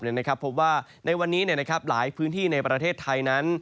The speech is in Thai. เพราะว่าในวันนี้หลายพื้นที่ในประเทศไทยนั้น